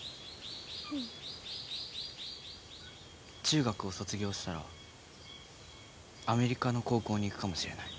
中学を卒業したらアメリカの高校に行くかもしれない。